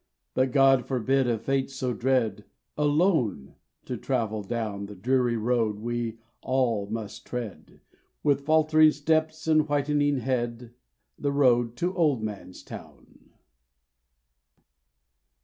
But God forbid a fate so dread ALONE to travel down The dreary road we all must tread, With faltering steps and whitening head, The road to Old Man's Town!